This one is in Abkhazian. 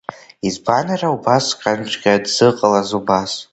Избан иара убасҟанҵәҟьа дзыҟалаз убас?